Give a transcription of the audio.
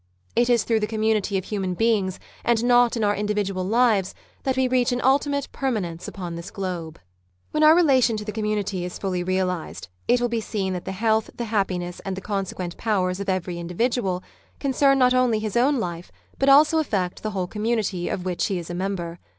It is through the community of human beings, and not in our indi vidual lives, that we reach an ultimate permanence upon this globe. When our relation to the community is fully realised, it will be seen that the health, the happiness, and the consequent powers of every Individual, con ^°^ Married Love ccrn not only his own life, but also affect the whole community of which he is a member.